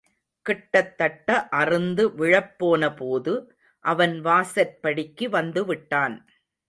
கிட்டத்தட்ட அறுந்து விழப்போனபோது, அவன் வாசற்படிக்கு வந்துவிட்டான்.